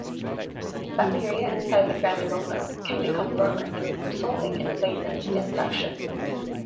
Bacteria inside the granuloma can become dormant, resulting in latent infection.